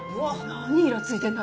何いらついてんだ？